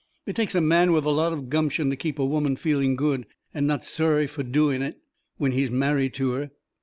It takes a man with a lot of gumption to keep a woman feeling good and not sorry fur doing it when he's married to her.